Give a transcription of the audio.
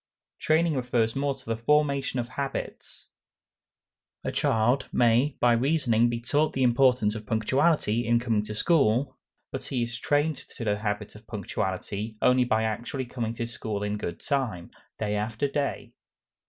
Training refers more to the formation of habits. A child may by reasoning be taught the importance of punctuality in coming to school; but he is trained to the habit of punctuality only by actually coming to school in good time, day after day.